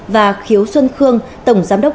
và khiếu xuân khương tổng giám đốc